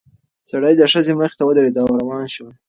سړی د ښځې مخې ته ودرېد او روان شول.